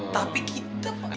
tapi kita pak